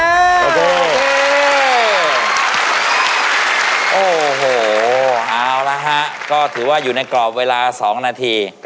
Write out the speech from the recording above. เอาล่ะค่ะก็ถือว่าอยู่ในกรอบเวลา๒นาที